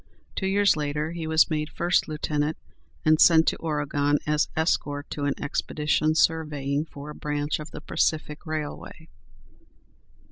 Two years later he was made first lieutenant, and sent to Oregon as escort to an expedition surveying for a branch of the Pacific Railway.